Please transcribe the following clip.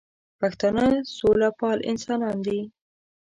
پښتانه سوله پال انسانان دي